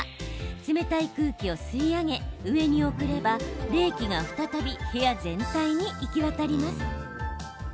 冷たい空気を吸い上げ上に送れば、冷気が再び部屋全体に行き渡ります。